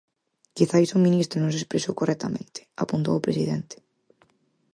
Quizais o ministro non se expresou correctamente, apuntou o presidente.